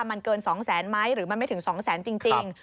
มันเกิน๒แสนไหมหรือมันไม่ถึง๒แสนจริง